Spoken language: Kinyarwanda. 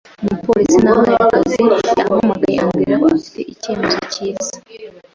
Umupolisi nahaye akazi yahamagaye ambwira ko afite icyerekezo cyiza.